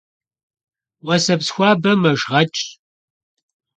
Vueseps xuabe meşşğeç'ş.